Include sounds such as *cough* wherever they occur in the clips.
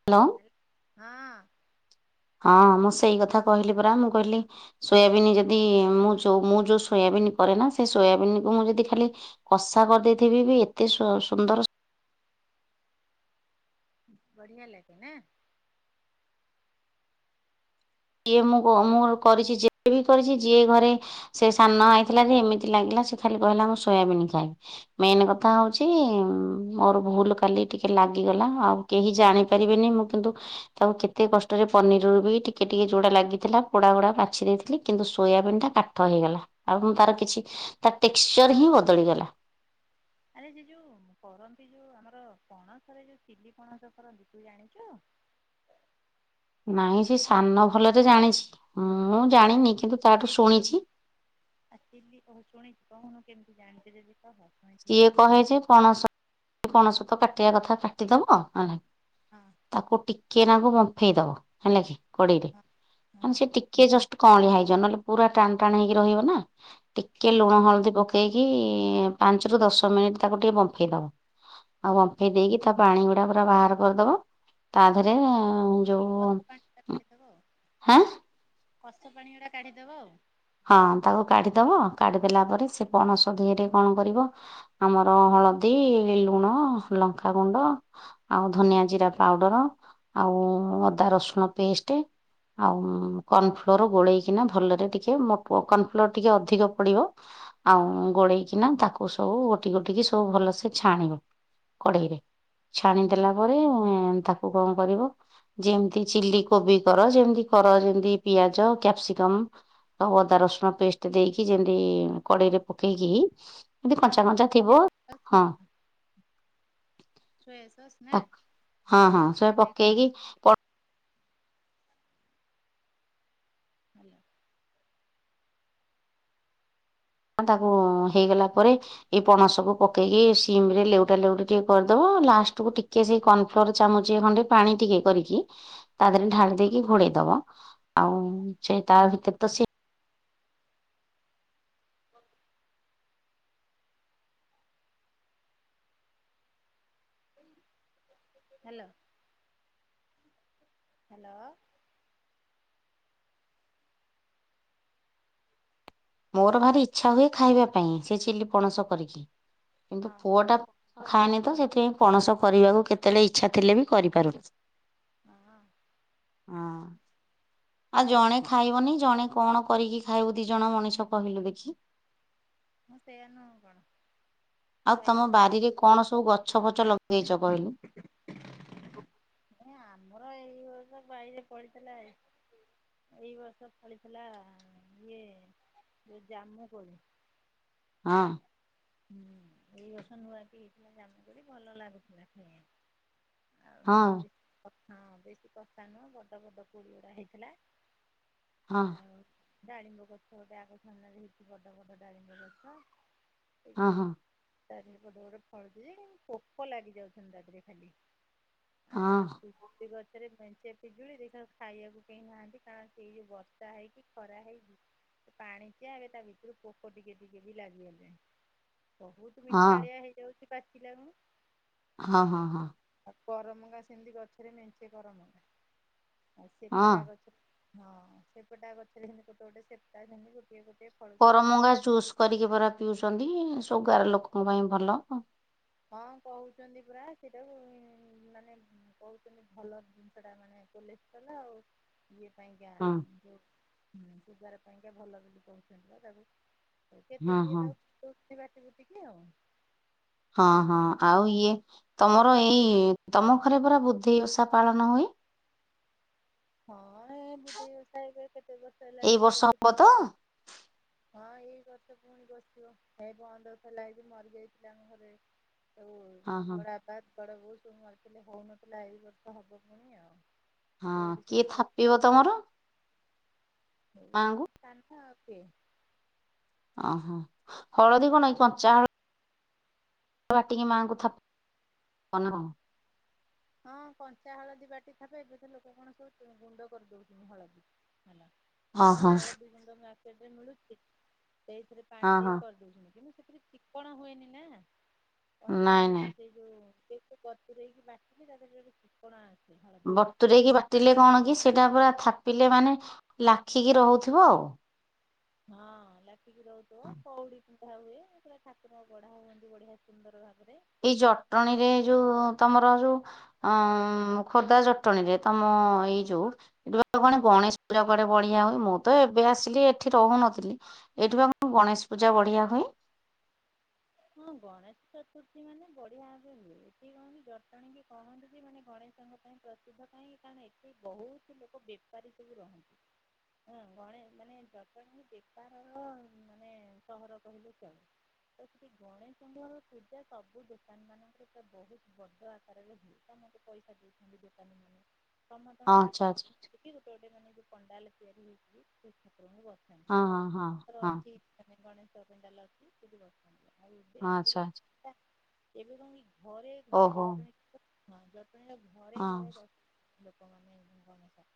Hello. ହଲ ହଁ। ହଁ ମୁଁ ସେଇ କଥା କହିଲି ପରା, ମୁଁ କହିଲି ସୋୟାବିନ୍ ଯଦି ମୁଁ ଯୋଉ ମୁଁ ଯୋଉ ସୋୟାବିନ କରେ ନା, ସେ ସୋୟାବିନ୍ କ ମୁଁ ଯଦି ଖାଲି କଷା କରିଦେଇଥିବି ବି, ଏତେ ସୁନ୍ଦର ବଢିଆ ଲାଗେ ନା ଯିଏ ମୁଁ ମୁଁ କରିଛି ଯିଏ ବି କରିଛି ଯିଏ ଘରେ ସେ ସାନ ଆଇଥିଲା ଯେ ଏମିତି ଲାଗିଲା ସେ ଖାଲି କହିଲା ମୁଁ ସୋୟାବିନ୍ ଖାଇ ମେନ କଥା ହଉଚ ମୋର ଭୁଲ କାଲି ଟିକେ ଲାଗିଗଲା ଆଉ। କେହି ଜାଣି ପାରିବେନି ମୁଁ କିନ୍ତୁ ତାକୁ କେତେ କଷ୍ଟରେ ପନିରରୁ ବି ଟିକେ ଟିକେ ଟିକେ ଯୋଡା ଲାଗିଥିଲା ପୋଡା ଗୋଡା ବାଛି ଦେଇଥିଲି କିନ୍ତୁ ସୋୟାବିନ୍ ଟା କାଠ ହେଇଗଲା। ଆଉ ମୁ ତାର କିଛି ତା ଟେକ୍ସଚର ହିଁ ବଦଳିଗଲା। ଆରେ ଯ ଯୋଉ କରନ୍ତି ଯୋଉ ଆମର ପଣସରେ ଯୋଉ ଚିଲି ପଣସ କରନ୍ତି ତୁ ଜାଣିଚୁ? ନାଇଁ ସେ ସାନ ଭଲରେ ଜାଣିଛି, ମୁଁ ଆଉ ଜାଣିନି କିନ୍ତୁ ତାଠୁ ଶୁଣିଛି। ଆସିଲି ହ ଶୁଣିଛି କଣ, କେମିତି ଜାଣିଛି ଦେବି କହ? ଶୁଣିଥିବି ସିଏ ଯଦି କହେ ଯେ ପଣସ ପଣସ ତ କାଟିବା କଥା କାଟିଦବ ନ ହଁ ଅ ତାକୁ ଟିକେ ନାଙ୍କୁ ବମ୍ଫେଇ ଦବ ହେଲା କି, ହଁ ହଁ କଡେଇରେ ସେ ଟିକେ ଜ କଅଳିଆ ହେଇଯିବ, ନହେଲେ ପୁରା ଟାଣ ଟାଣ ହେଇକି ରହିବ ନା, ଟିକେ ହଁ ଲୁଣ ହଳଦୀ ପକେଇ ଦେଇକି ପାଞ୍ଚ ରୁ ଦଶ ମିନିଟ ତାକୁ ଟିକେ ବମ୍ଫେଇ ଦବ, ଆଉ ବମ୍ଫେଇ ଦେଇକି ତା ପାଣି ଗୁଡା ପୁରା ବାହାର କରିଦବ। ତା ଦେହରେ ହଁ ଯୋଉ କଷ ପାଣି ଟା କାଢିଦବ ଆଉ ହଁ କଷ ପାଣି ଗୁଡ଼ା କାଢ଼ିଦେବା ଆଉ। ହଁ ତାକୁ କାଢିଦବ, କାଢିଦେଲା ପରେ ସେ ପଣସ ଧିରେ କଣ କରିବ? ଆମର ହଳଦୀ, ଲୁଣ, ଲଙ୍କାଗୁଣ୍ଡ। ଆଉ ଧନିଆ ଜିରା ପାଉଡର ଆଉ ଅଦା ରସୁଣ ପେଷ୍ଟ ଆଉ କର୍ଣଫ୍ଲୋର ଗୋଳେଇକିନା ଭଲରେ *unintelligible* କନଫ୍ଲୋର ଟିକେ ଅଧିକ ପଡିବ। ଆଉ ଗୋଳେଇକିନା ତାକୁ ସବୁ ଗୋଟି ଗୋଟିକି ସବୁ ଭଲସେ ଛାଣିବ। କଢେଇରେ, ହୁଁ। ଛାଣିଦେଲା ପରେ ତାକୁ କଣ କରିବ? ଯେମତି ଚିଲି କୋବି କର, ଯେମିତି କର ଯେମତି ପିଆଜ କ୍ୟାପସିକମ ତ ଅଦା ରସୁଣ ପେଷ୍ଟ ଦେଇକି ଯେମିତି କଡେଇରେ ପକେଇକି ହି ଏମିତି କଞ୍ଚା ଟମାଟୋ କଞ୍ଚା ଥିବ ଚିଲି ସସ୍ ହଁ। ସୋୟାସସ୍ ନା, ହଁ ହଁ ସେ ଭିନେଗାର *unintelligible* ହାଲୋ ତାକୁ ହେଇଗଲା ପରେ। ଏଇ ପଣସକୁୁ ପକେଇକି ସିମ ରେ ଲେଉଟା ଲେଉଟା ଟିକେ କରିଦବ ଲାଷ୍ଟ କୁ ଟିକେ ସେ ର ଚାମଚ ଖଣ୍ଡେ ପାଣି ଟିକେ କରିକି ତା ଦେହରେ ଢାଳି ଦେଇକି ଘୋଡେଇ ଦବ। ଆଉ ସେ ତା ଭିତରେ ତ ସେ *inaudible* ହାଲୋ ହାଲୋ ମୋର ଭାରି ଇଛା ହୁଏ ଖାଇବା ପାଇଁ, ସେ ଚିଲି ପଣସ କରିକି, ହଁ କିନ୍ତୁ ପୁଅ ଟା ଖାଏନି ତ, ସେଥିପାଇଁ ପଣସ କରିବାକୁ କେତେବେଳେ ଇଛା ଥିଲେ ବି, କରିପାରେନି। ହଁ ଅଁ ହଁ ଆଉ ଜଣେ ଖାଇବନି ଜଣେ କଣ କରିକି ଖାଇବୁ ଦି ଜଣ ମଣିଷ କହିଲୁ ଦେଖି? ହୁଁ ସେଇୟା ନୁହ ଆଉ କଣ? ଆଉ ତମ ଖାଇବୁ ସେଇଆ ବାରିରେ କଣ ସବୁ ଗଛ ଫଛ ଲଗେଇଛ କହିଲୁ? ଆମର ଏଇର୍ଷ ବାଇରେ ପଡିଥିଲା ଆ ଏଇ ବର୍ଷ ଫଳିଥିଲା ଇଏ ଯୋଉ ଜାମୁ କୋଳି। ହଁ। ହୁଁ ଏଇ ବର୍ଷ ନୂଆ କି ହେଇଥିଲା ଜାମୁ କୋଳି ଭଲ ଲାଗୁଥିଲା ଖାଇ ଆଉ ହଁ ଉଁ ବେ କ ହଁ ବେଶୀ କଷା ନୁହଁ ବଡ ବଡ କୋଳି ଗୁଡା ହେଇଥିଲା। ହଁ। ଆଉ ଡାଳିମ୍ବ ଗଛ ଗୋଟେ ଆଗ ସାମ୍ନାରେ ହେଇଛି ବଡ ବଡ ଡାଳିମ୍ବ ଗଛ। ହଁ ହଁ। ତା ଦିହରେ ବଡ଼ ବଡ଼ ଫଳୁଛି ଯେ ପୋକ ଲାଗି ଯାଉଛନ୍ତି ତା ଦେହରେ ଖାଲି। ଆଉ ହଁ ଠି ସେ ଗଛରେ ମେଞ୍ଚେ ପିଜୁଳି ଦେଖିଲା ବେଳକୁ ଖାଇବାକୁ କେହିଁ ନାହାନ୍ତି କାରଣ ସେଇ ଯୋଉ ବର୍ଷା ହେଇକି ଖରା ହେଇକି। ସେ ପାଣିିଚିଆ ଏବେ ତା ଭିତରେ ପୋକ ଟିକେ ଟିକେ ବି ଲାଗିଗଲେଣି ବହୁ ହଁ ମିଠାଳିଆ ହେଇଯାଉଛି ପାଚିଲା ଖିଣୁ। ହଁ ହଁ ହଁ। ଆଉ କରମଙ୍ଗା ସେମିତି ଗଛରେ ମେଞ୍ଚେ କରମଙ୍ଗା ଆଉ ହଁ ସେପଟା ଗଛରେ। ହଁ ସେପଟା ଗଛରେ ସେମିତି ଗୋଟେ ଗୋଟେ ସେପଟା ସେମିତି ଗୋଟିଏ ଗୋଟିଏ। ଫଳୁଛି। କରମଙ୍ଗା ଜୁସ୍ କରିକି ପରା ପିଉଛନ୍ତି ସୁଗାର ଲୋକଙ୍କ ପାଇଁ ଭଲ। ହଁ କହୁଛନ୍ତି ପରା ସେଇଟାକୁ ଉଁ ମାନେ କହୁଛନ୍ତି ଭଲ ଜିନିଷ ଟା ମାନେ କୋଲେଷ୍ଟ୍ରଲ ଆଉ। ଇଏ ପାଇଁକା ଉଁ ଯୋଉ ଉଁ ସୁଗାର ପାଇଁକା ଭଲ ବୋଲି କହୁଛନ୍ତି ତ ତାକୁୁ। କେତେ ହଁ କିଏ ହଁ ତାକୁ ପିଉଛନ୍ତି ବାଟି ବୁଟିକି ଆଉ। ହଁ ହଁ ଆଉ ଇଏ ତମର ଏଇ ତମ ଘରେ ପରା ବୁଧେଇ ଓଷା ପାଳନ ହୁଏ। ହଁ ଏ ବୋଧେଇ ଓସା ଏବେ କେତେ ବର୍ଷ ଏଇ ହେଲାଣି ବର୍ଷ ବର୍ଷେ ହବ ଦି ତ? ହଁ ଏଇ ବର୍ଷ ପୁଣି ବସିବ ଏଇ ବନ୍ଦ ଥିଲା ହେଇ ମରିଯାଇଥିଲି ଆଙ୍କ ଘରେ। କଉ ଉଁ ହଁ ହଁ ବଡ଼ାପା। ବଡ ବୋଉ ସବୁ ମାରିଥିଲେ ହଉନଥିଲା ଏଇ ବର୍ଷ ହବ ପୁଣି ଆଉ ହଁ କୋଉଠି କିଏ ସବୁ ଫ ଥାପିବ ମା ଙ୍କୁ। କାହ୍ନା ଆଉ କିଏ। ଓହୋ ହଳଦୀ କଣ ଏଇ କଞ୍ଚା ହ ବାଟିକି ମାଆଙ୍କୁ ଥାପନା କ ହଁ କଞ୍ଚା ହଳଦୀ ବାଟି ଥାପେ ଏବେ ସେ ଲୋକ କଣ ସବୁ ଗୁ-ଗୁଣ୍ଡ କରିଦଉଛନ୍ତି ହଳଦୀ। ହେଲା ଏଇ ଯୋଉ ଓହୋ ହଳଦୀ ଗୁଣ୍ଡ ମାର୍କେଟରେ ମିଳୁଛି ସେଇଥିରେ। ହଁ ପାଣି ହଁ ଦେଇକି କରିଦଉଛନ୍ତି କିନ୍ତୁ ସେଥିରେ ଚିକଣ ହୁଏନି ନା କଞ୍ଚା ନାଇଁ ନାଇଁ ହଳ ସେଇ ଯଉ ସେ କୁ ବତୁରେଇକି ବାଟିଲେ ତା ଦେହରେ ଗୋଟେ ଚିକଣ ଆସେ ହଳଦୀ ରେ। ବତୁରେଇକି ବାଟିଲେ କଣ କି ସେଇଟା ପୁରା ଥାପିଲେ ମାନେ ଲାଖିକି ରହୁଥିବ ଆଉ। ହଁ ଲାଖିକି ରହୁଥିବ କଉଡି। ପିନ୍ଧା ହୁଏ ପୁରା ଠାକୁର ଗଢା ହୁଅନ୍ତି ବଢିଆ ସୁନ୍ଦର ଭାବରେ। ଏଇ ଆଉ ଜଟଣୀ ରେ ଯୋଉ ତମର ଯୋଉ। ଅଁ ମ ଖୋର୍ଦ୍ଧା ଜଟଣୀ ରେ ତମ ଏଇ ଯୋଉ। ଏଠି ପା କଣ ଗଣେଶ ପୂଜା କୁଆଡ଼େ ବଢିଆ ହୁଏ ମୁଁ ତ ଏବେ ଆସିଲି ଏଠି ରହୁନଥିଲି। ଏଇଠି ପା କଣ ଗଣେଶ ପୂଜା ବଢିଆ ହୁଏ। ହଁ ଗଣେଶ ଚତୁର୍ଥୀ ମାନେ ବଢିଆ ସେ ହୁଏ ଏଠି କହନି ଜଟଣୀ କି କହନ୍ତି କି ମାନେ ଗଣେ ଶଙ୍କ ପାଇଁ ପ୍ରସିଦ୍ଧ କାହିଁକି କାରଣ ଏଠି ବହୁତ ଲୋକ ବେପାରୀ ସବୁ ରହନ୍ତି। ହଁ ଗଣେ ମାନେ ଜଟଣୀକୁ ବେପାରର ଉଁ ମାନେ ସହର କହିଲେ ଚଳେ। ତ ସେଠି ଗଣେଶଙ୍କର୍ ପୂଜା ସବୁ ଦୋକାନ ମାନଙ୍କରେ ପୁରା ବହୁତ ବଡ ଆକାରରେ ହୁଏ। ସମସ୍ତେ ପଇସା ଦେଇଛନ୍ତି ଦୋକାନୀ ମାନେ। ସମସ୍ତଙ୍କର କି ଆଚ୍ଛା ଆଚ୍ଛା *unintelligible* ଗୋଟେ ଗୋଟେ ମାନେ ଏଇ ଯୋଉ ପଣ୍ଡାଲ ତିଆରି ହେଇଛିି ସେଇ ଠାକୁରଙ୍କୁ ବ ସାନ୍ତି ହଁ ହଁ ହଁ ତାର ହଁ। ଅଛି। *unintelligible* ଗଣେଶ ପେଣ୍ଡାଲ ଅଛି ସେଠି ବସାନ୍ତି ଆଉ ଏବେ ହଁ ଆଗରୁ ଆଚ୍ଛା ଆଚ୍ଛା ପା ଏବେ କଣ କି ଘରେ ଘରେ ଓହୋ ଜଟଣୀ ହଁ ଜଟଣୀର ଘରେ ଘରେ ହଁ। ବ ଲୋକମାନେ ଗଣେଶ।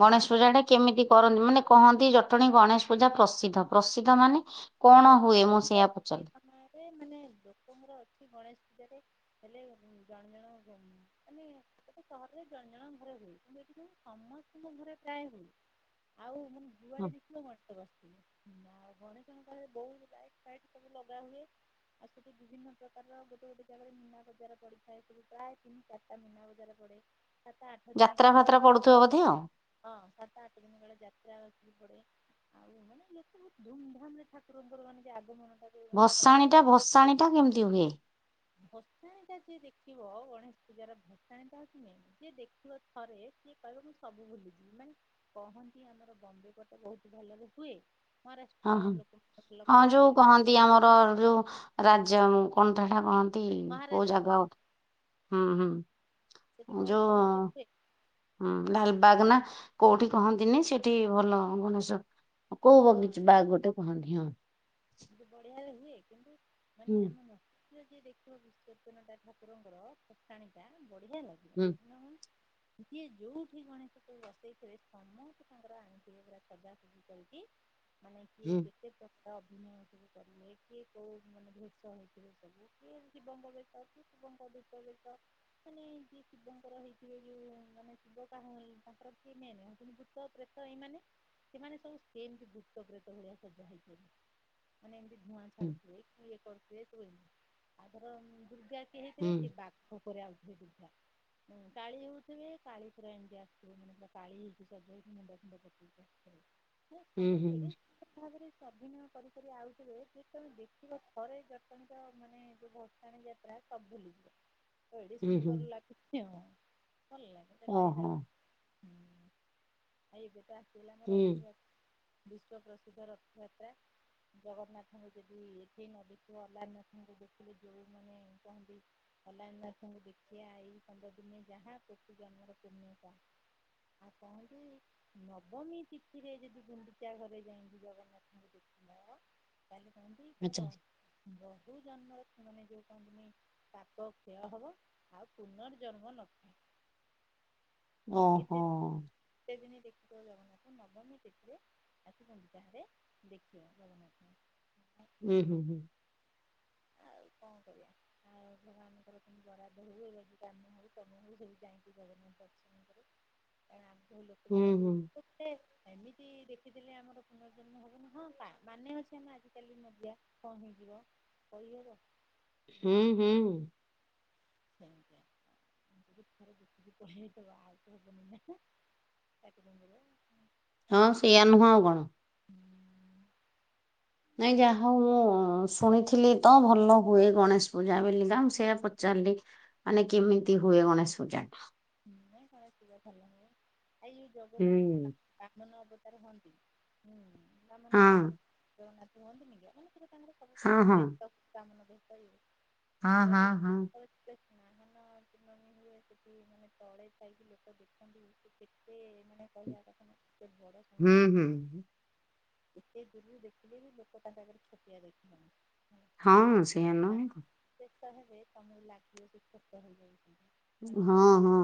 ଗଣେଶ ପୂଜା ଟା ବସି କେମିତି କରନ୍ତି ମାନେ କହନ୍ତି ଜଟଣୀ ଗଣେଶ ପୂଜା ପ୍ରସିଦ୍ଧ ପ୍ରସିଦ୍ଧ ମାନେ? କଣ ହୁଏ ମୁଁ ସେୟଆ ପଚାରିଲି। ସେ ମାନେ ଲୋକଙ୍କର ଅଛି ଗଣେଶ ପୂଜାରେ ହେଲେ ଜଣେ ଜଣ ମାନେ ଗୋଟେ ସହରରେ ଜଣେ ଜଣ ଘରେ ହୁଏ। କିନ୍ତୁ ଏଠି ଯ ସମସ୍ତଙ୍କ ଘରେ ପ୍ରାୟ ହୁଏ। ଆଉ ମୁଁ ଯୁଆଡେ ହୁଁ। ଦେଖିବ ମ ତ ବସିଥିଲି ଆଉ ଗଣେଶ ମ ବହୁତ ଗାଇ ଫାଇଟ ସବୁ ଲଗା ହୁଏ। ଆଉ ସେଠି ବିଭିନ୍ନ ପ୍ରକାରର ଗୋଟେ ଗୋଟେ ଜାଗାରେ ନିନା ବଜାର ପଡିଥାଏ। ସେଠ ପ୍ରାୟ ତିନି ଚାରି ମିନା ବଜାର ପଡ଼େ ଆତା ଆଠ ଦିନିନ ଯାତ୍ରା କାଳ ଫାତ୍ରା ପଡୁଥିବ ବୋଧେ ଆଉ। ହଁ ସାତ ଆଠ ଦିନ ବେଳେ ଯାତ୍ରା ଆସିଲି ପଡେ ଆଉ ମାନେ ଏତେ ବହୁତ ଧୁମଧାମ ରେ ଠାକୁରଙ୍କର ମାନେ ଆଗମନଟା ଭସାଣି ଟା ଭସାଣି ଟା କେମିତି ହୁଏ। ଭସାଣି ଟା ଯିଏ ଦେଖିବ ଗଣେଶ ପୂଜାର ଭସାଣିଟା ମେନ। ଯିଏ ଦେଖିବ ଥରେ ସିଏ କହିବ ମୁଁ ସବୁ ଭୁଲିଯିବି ମାନେ କହନ୍ତି ଆମର ବମ୍ବେ ପଟ ବହୁତ ଭଲରେ ହୁଏ। ହଁ ମହାରାଷ୍ଟ୍ର ହଁ। ଲୋକ ହଁ ଯୋଉ କହନ୍ତି ଆମର ଯୋଉ ରାଜ କଣ ତ ହେଟା ମହାରାଷ୍ଟ୍ର ଜାଗା ହୁଁ ହୁଁ। ସେଠି ବହୁତ ଯୋଉ ଭଲ ଦେ ହୁଁ ଲାଲବାଗ ନା କୋଉଠି କହନ୍ତିନି ସେଠି ଭଲ ଗଣେଶ ଆଉ କୋଉ ବଗିଚ ବାଘ ଗୋଟେ କହନ୍ତିି ହଁ। ଏ ବଢିଆରେ ହୁଏ କିନ୍ତୁ ମାନେ ହୁଁ ଆମେ ଯ ଦେଖୁ ବିଶ୍ୱର୍ଜନତା ଠାକୁରଙ୍କର ଫଠାଣିଟା ବଢ଼ିଆ ଲାଗେଛି। ହୁଁ। *unintelligible* ଯିଏ ଯୋଉଠି ଗଣେଶକୁ ବସେଇଥିଲେ ସମସ୍ତେ ତାଙ୍କର ଆଠିବେ ପୁରା ସଜା। ମାନେ କିଏ ହୁଁ। କେତେ କ ଦିନ ସବୁ କରିଲେ କିଏ କେଉଁ ମାନେ ଭେଷ ହେଇଥିଲେ। ସବୁ କିଏ ଜୀବ ମଗାଇଥାରୁଛି। କମ୍ *unintelligible* ମାନେ ଯିଏ ଶିବଙ୍କର ହେଇଥିବେ ଯୋଉ ମାନେ ଶିବ କା ତାଙ୍କର ସଏ ମେନେଉୁ ଦୁ ପ୍ରେତ ଏଇମାନେ ସେମାନେ ସବୁ ସେମତି ଦୁଃଖ ପ୍ରେତ ଭଳିଆ ସବା ହେଇପାରିବ। ମାନେ ଏମିତି ଧୂଆଁ ଛାଡୁଥିବେ କି ଇଏ କରୁଥିବେ କୁଏନି ଆଉ ଧର ଦୁର୍ଗା ହୁଁ ହେଇଥିବେ ସେ ବାଘ ଉପରେ ଆଉ ବୁଥିଲା। କାୀ ହଉଥେ କାଳି ପୁରା ଏମିତି ଆସିଥିବ ମେ କାଳି ହେଇଛି ସବୁ ମୁଣ୍ଡ ଫଣ୍ଡକେଇ ଆ ହେଲେ ହୁଁ ସମେ ହୁଁ ତ ଏବେ ହୁଁ ସୁନ୍ଦର ଭାବରେ ସଭିନୟ କରିିକରି ଆଉଥିବେ ଯେ ତୁମେ ଦେଖିବ ଘରେ ଜଟଣ ତ ମାନେ ଯେଉଁ ବଷାଣି ଯାତ୍ରା ସବ ଭୁଲିଯିବ। ଏଡି ହୁଁ ହୁଁ ସୁନ୍ଦର ଲାଗଛି ଭଲ ଲାଗ ଚଟଣି ଦେ ଓହୋ ହୁଁ ଆଉ ଏବେ ତ ଆସିଲା ହୁଁ ରଥ ଯା ବିଶ୍ଵ ପ୍ରସିଦ୍ଧ ରଥଯାତ୍ରା। ଜଗନ୍ନାଥଙ୍କୁ ଯଦି ଏଠେଇ ନ ଦେଖିବ ଅହ୍ଲାଲିନାଥଙ୍କୁ ଦେଖିଲେ ଯୋଉ ମାନେ କହନ୍ତି। ହଲାନ ଦାସଙ୍କୁ ଦେଖିିବା ଏଇ ପନ୍ଦର ଦିନେ ଯାହା ପ୍ରତୁ ଜମର ପୁଣ୍ୟତା ଆଉ ପହଞ୍ଚ ନବମୀ ତିଥିରେ ଯଦି ଗୁଣ୍ଡିଚା ଘରେ ଯାଇନ୍ତି ଜଗନ୍ନାଥଙ୍କୁ ମ କାଲି କହନ୍ତି ଆଚ୍ଛା ତୋର ବହୁୂ ଜନ୍ମରେ ମାନେ ଯୋଉ କହନ୍ତିନି ପାକ କ୍ଷୟ ହବ ଆଉ ପୁନର୍ଜନ୍ମ ନବ। ଓହୋ। ସେତ ଦିନେ ଦେଖିଥ ଜଗନ୍ନାଥ ନବମୀ ତିଥିରେ ଆସିୁଛନ୍ତି ତାହାରେ ସ୍ବୟଂ ଜଗନ୍ନାଥ। ହୁଁ ହୁଁ। ଆଉ କଣ କରିବା। ଆଉ ଭଗାନଙ୍କର ବରାଦ ହଉ ଏବଂ କାମ ହଉ କମ ହଉ ସେଠି ଯାଇକି ଜଗନ୍ନାଥ ଦର୍ଶନ କରୁ। ଆ ଲ କି ଭ ହୁଁ ହୁଁ *unintelligible* ସେ ଏମିତି ଦେଖିଥିଲେ ଆମର ପୁନର୍ଜନ୍ମ ହବନି ହଁ ମାନେ ଅଛି ଆମେ ଆଜିିକାଲି ନଦଆ କଣ ହେଇଯିବ। କହି ହେବ। ହୁଁ ହୁଁ। *unintelligible* ଏତେଦିନି ପରେ। ହଁ ସେଇୟା ନୁହଁ ଆଉ କଣ। ହୁଁ ନାଇଁ ଯାହା ହଉ ମୁଁ ଶୁଣିଥିଲି ତ ଭଲ ହୁଏ ଗଣେଶ ପୂଜା ବୋଲିିକା ମୁଁ ସେଆ ପଚାରିଲି। ମାନେ କେମିତି ହୁଏ ଗଣେଶ ପୂଜା ଟା? *unintelligible* ଆଏଇ ଯୋଉ ଜଗନ୍ନାଥ ହୁଁ। *unintelligible* ବାମନ ଅବତାରେ ହୁଅନ୍ତି ହୁଁ ବାମନ ଅବତାରେ ହଁ ଜଗନ୍ନାଥ ହୁଅନ୍ତିନିକି ମାନେ ସେଟା ତାଙ୍କର ସବୁ ହଁ ପ୍ରକାର ହଁ ବ୍ୟସ୍ତ କାମନା ଦେଇପାରିବେ ହଁ ହଁ ଜୋଗ ହଁ *unintelligible* ମାନ ହୁଏ ସେଠି ମାନେ ତଳେ ଥାଇକି ଲୋକ ଦେଖନ୍ତି କେତେ ମାନେ କହିବା କଥା ନୁହ କେତେ ବଡ। ହୁଁ *unintelligible* ହୁଁ। ଏତେ ଦୂରରୁ ଦେଖିଲେବି ଲୋକ ତାଙ୍କ ଆଗରେ ଛୋଟିଆ ଦେଖାହବ। ହଁ ସେଆ ନୁହେଁ। ଚେକ୍ କରାହୁଏ ତମକୁ ଲାଗିବ ସେଛୋଟ ହେଇଯାଉଚି। ହଁ ହଁ।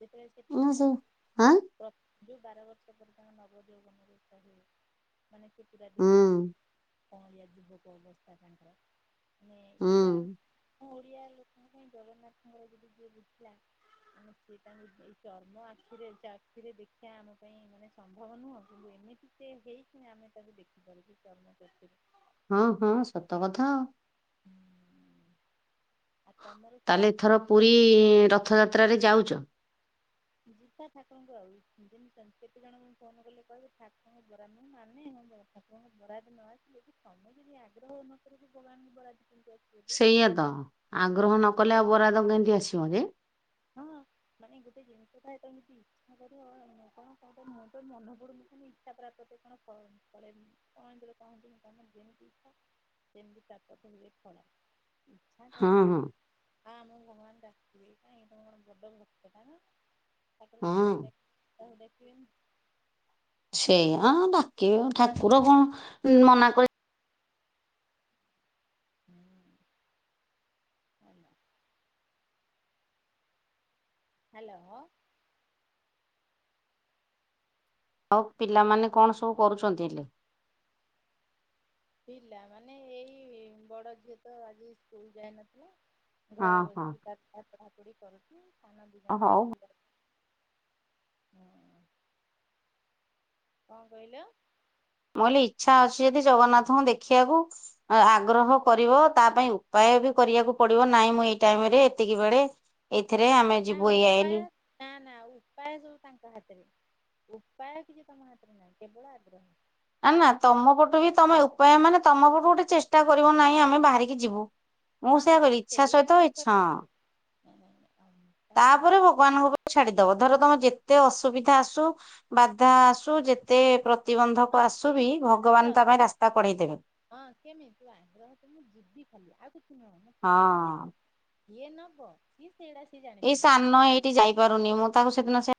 ଯେତେବେଳେ ସେ ପ୍ରଥମରୁ ଆଁ ପ୍ର ଯୋଉ ବାର ବର୍ଷ ପର୍ଯ୍ୟନ୍ତ ନବଦଉବନ ରୁପ ହୁଏ ମାନେ ସେ ପୁରା ହୁଁ ଦେଖା କରି କଅଁଳିଆ ଯୁବକ ଅବସ୍ଥା ତାଙ୍କର। ମାନେ ହୁଁ ଏଇଟା ଆମ ଓଡିଆ ଲୋକଙ୍କ ପାଇଁ ଜଗନ୍ନାଥଙ୍କର ଯଦି ଯିଏ ବୁଝିଲା ମାନେ ସେ କାତାଙ୍କୁ ଏଇ ଚର୍ମ ଆଖିରେ ସେଆଖିରେ ଦେଖିବା ଆମ ପାଇଁ ମାନେ ସମ୍ଭବ ନୁହଁ କିନ୍ତୁ ଏମିତି ସେ ହେଇକି ଆମେ ତାକୁ ଦେଖିପାରୁିବୁ ଚ୍ମଚତିରେ ହଁ ହଁ ସତ କଥା। ଆଉ ତମର ତାହେଲେ ସେପଟେ ଏଥର କଣ ପୁରୀ ରଥଯାତ୍ରାରେ ଯାଉଛ? ଜିତା ଠାକୁରଙ୍କର ଆଉ ଜି କେତେ ଜଣଙ୍କୁ ଫୋନ୍ କଲେ କହିବ ଠାକୁରଙ୍କ ଦରାମ ମାନେ ଆପଣଙ୍କ ବଡାରେ ନଆସିଲେ କିତମେ ଯଦି ଆଗ୍ରହ ନକର କିଭଗବାନଙ୍କୁ ବରାଦ କେମିତି ଆସ ସେଇଆ ତ ଆଗ୍ରହ ନ କଲେ ଆଉ ବରାଦ କେମତି ଆସିବ ଯେ। ହଁ ମାନେ ଗୋଟେ ଜିନିଷଟଥାଏ ଏମିତି କଣ କରିବ ମୁଁ ତୋ ମନକୁ *unintelligible* ଇଚ୍ଛା ପ୍ରାପ୍ତ ଟିଏ କଣ ଫଳେନି କଣ କଁ *unintelligible* ଯେମିତିଥ ସେମିତି ପାପ ପୂନ୍ୟ ଫଳ ଇଚ୍ଛା ହଁ କରିବ ହଁ ନା ଆ ମୁଁ ଭଗବାନ ଡାକିବେ। କାଇଁ ତମ କଣ ବଡ଼ ଭକ୍ତଟାପା ତାପରେ ହଁ। ତମକୁ ଦେଖ ତାକୁ ଦେଖିବେନି ସେଇଆ ଡାକିବେ କ ଠାକୁର କଣ ମନା କରି ହୁଁ ଭଲ। ହ୍ୟାଲୋ। ଅଉ ପିଲାମାନେ କଣ ସବୁ କରୁଛନ୍ତି ଏଇଲେ? ପିଲାମାନେ ଏଇ ବଡଝିଅ ତ ଆଜି ସ୍କୁଲ ଯାଇନଥିଲା। ହଁ ଘରେ ହଁ ବସିକି ପାଠ ପଢାପଢ଼ି କରୁଚି ସାନ ଦିଜଣ ହଉ ମୁଁ ସ୍କୁଲ ଗଲେ। ହଁ। କଣ କହିଲ? ମୁଁ କହିଲି ଇଛା ଅଛି ଯଦି ଜଗନ୍ନାଥଙ୍କୁ ଦେଖିବାକୁ ଆଗ୍ରହ କରିବ ତା ପାଇଁ ଉପାୟ ବି କରିବାକୁ ପଡିବ ନାଇଁ ମୁଁ ଏଇ ଟାଇମ ରେ ଏତିକି ବେଳେ ଏଇଥିରେ ଆମେ ଯିବୁ ଏଇ ଆଇନି ନାଁ ନାଁ ଉପାୟ ସବୁ ତାଙ୍କ ହାତେରେ। ଉପାୟ କିଛି ତମ ହାତରେ ନାହିଁ କେବଳ ଆଗ୍ରହ। କେବଳ ଆନା ଇଚ୍ଛା ତମ ପଟୁ ବି ତମେ ଉପାୟ ମାନେ ତମ ପଟୁ ଗୋଟେ ଚେଷ୍ଟା କରିବ ନାହିଁ ଆମେ ବାହାରିକି ଯିବୁ। ମୁଁ ହଁ ସେଇଆ ହଁ ନାଇଁ କହିଲି ଇଛା ସେଇଆକୁ ସହିତ ବା ଇଚ୍ଛା ହଁ କହିଲି। ତାର ତାପରେ ଭଗବାନଙ୍କ ଉପ ଛାଡିଦବ ଧର ତମେ ଯେତେ ଅସୁବିଧା ଆସୁ ବାଧା ଆସୁ ଯେତେ ପ୍ରତିବନ୍ଧ ହଁ ଆସୁ ବିି ଭଗବାନ ତା ପାଇଁ ରାସ୍ତା କଢେଇ ଦେବେ। ଅଁ କେମିତି ଆଗ୍ରହ ତ ମୁଁ ଯିବି ଖାଲି ଆଉ କିଛି ନୁହଁ ମୁଁ କେମିତି ହଁ ଯିବି କିଏ ନବ କିସେଡ଼ା ସେଜାଣିଥିବ ଖାଲି ପାରୁନି ମୁଁ ତାକୁ ସେଦିନ ସେ